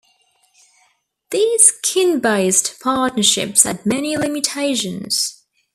These kin-based partnerships had many limitations.